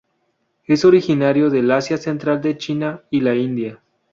Es originario del Asia Central de China y la India.